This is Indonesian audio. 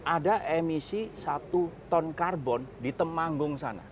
ada emisi satu ton karbon di temanggung sana